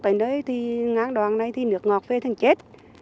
tại nơi thì ngán đoàn này thì nước ngọt phê thằng chết